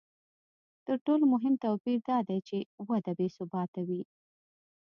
تر ټولو مهم توپیر دا دی چې وده بې ثباته وي